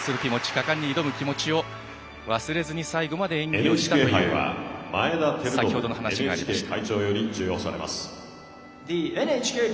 果敢に挑む気持ちを忘れずに最後まで演技をしたという先ほどの話がありました。